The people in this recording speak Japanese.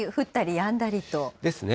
ですね。